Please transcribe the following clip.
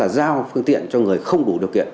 giao phương tiện cho người không đủ điều kiện